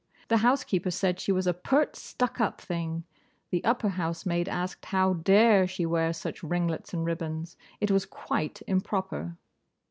The housekeeper said she was a pert, stuck up thing: the upper housemaid asked, how dare she wear such ringlets and ribbons, it was quite improper!